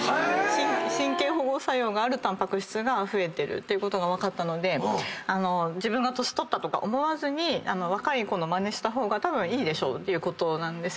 神経保護作用があるタンパク質が増えてるってことが分かったので自分が年取ったとか思わずに若い子のまねした方がたぶんいいでしょうってこと。